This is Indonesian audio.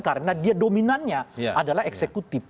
karena dia dominannya adalah eksekutif